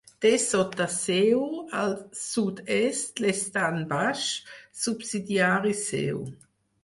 Té sota seu, al sud-est, l'Estany Baix, subsidiari seu.